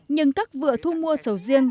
nhưng các vựa thu mua sầu riêng